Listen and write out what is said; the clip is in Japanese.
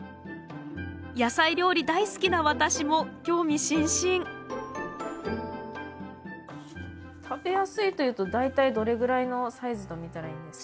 野菜料理大好きな私も興味津々食べやすいというと大体どれぐらいのサイズと見たらいいんですか？